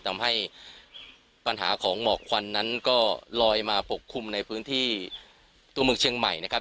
ทำให้ปัญหาของหมอกควันนั้นก็ลอยมาปกคลุมในพื้นที่ตัวเมืองเชียงใหม่นะครับ